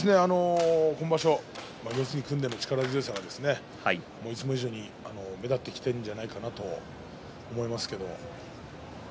今場所、四つに組んでの力強さはいつも以上に目立ってきているんじゃないかなと思いますけど。